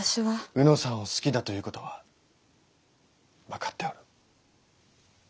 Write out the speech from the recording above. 卯之さんを好きだということは分かっておる。